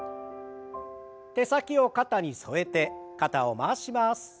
手先を肩に添えて肩を回します。